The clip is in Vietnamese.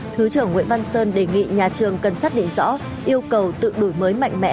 thứ trưởng nguyễn văn sơn đề nghị nhà trường cần xác định rõ yêu cầu tự đổi mới mạnh mẽ